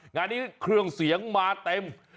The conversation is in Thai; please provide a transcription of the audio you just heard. งานนี้เครื่องเสียงมาเต็ม